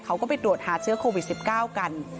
เขาก็ไปตรวจหาเชื้อโควิด๑๙กัน